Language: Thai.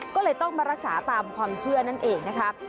ก็เลยต้องมารักษาตามความเชื่อนั่นเองนะครับ